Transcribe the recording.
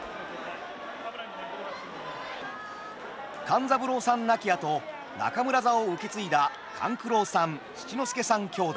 勘三郎さん亡き後中村座を受け継いだ勘九郎さん七之助さん兄弟。